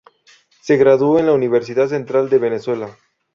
Se graduó en la Universidad Central de Venezuela.